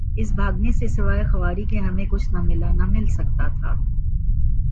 اس بھاگنے سے سوائے خواری کے ہمیں کچھ نہ ملا... نہ مل سکتاتھا۔